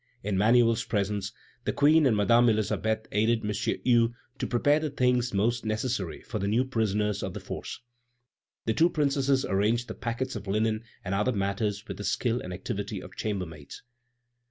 In Manuel's presence, the Queen and Madame Elisabeth aided M. Hue to prepare the things most necessary for the new prisoners of the Force. The two Princesses arranged the packets of linen and other matters with the skill and activity of chambermaids.